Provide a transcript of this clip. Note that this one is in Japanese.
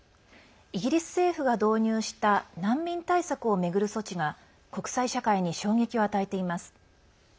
イギリス政府が導入した難民対策を巡る措置が国際社会に衝撃を与えています。